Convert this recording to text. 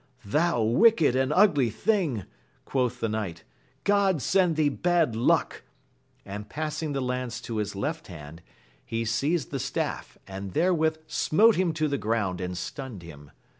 Thou wicked and ugly thing, quoth the knight, God send thee bad luck ! and passing the lance to his loft hand, he seized the stafi^ and therewith smote him to the ground and stunned him.